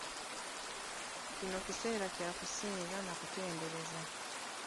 Kino kiseera kya kusinza na kutendereza.